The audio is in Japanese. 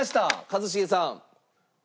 一茂さん。